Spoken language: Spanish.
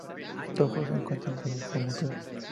Tōjō se encuentra entre sus promotores.